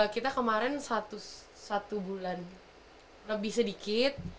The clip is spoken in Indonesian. kita kemarin satu bulan lebih sedikit